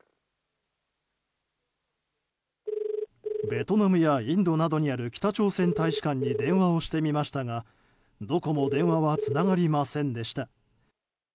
ベトナムやインドなどにある北朝鮮大使館に電話をしてみましたが、どこも電話はつながりませんでした。